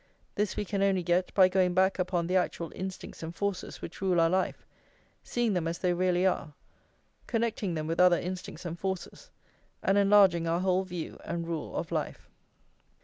This we can only get by going back upon the actual instincts and forces which rule our life, seeing them as they really are, connecting them with other instincts and forces, and enlarging our whole view and rule of life.